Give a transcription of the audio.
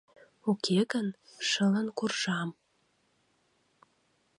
Уке гын, шылын куржам».